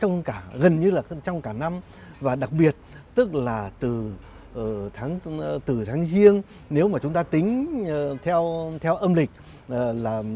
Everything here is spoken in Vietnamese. vẫn khắp gần như là trong cả năm và đặc biệt là từ tháng riêng nếu mà chúng ta tính theo âm lịch là